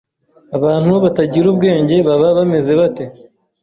abantu batagira ubwenge baba bameze bate